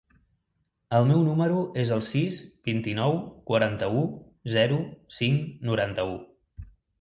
El meu número es el sis, vint-i-nou, quaranta-u, zero, cinc, noranta-u.